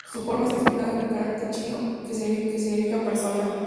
Su forma está inspirada en el carácter chino 人, que significa 'persona'.